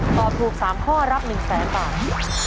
ตอบถูก๓ข้อรับ๑๐๐๐๐๐บาท